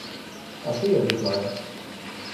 А ти як знаєш.